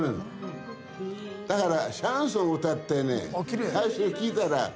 だから。